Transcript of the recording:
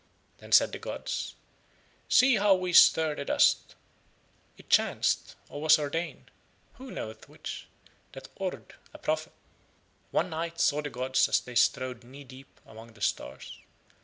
Then said the gods: "See how We stir the dust." It chanced, or was ordained (who knoweth which?) that Ord, a prophet, one night saw the gods as They strode knee deep among the stars.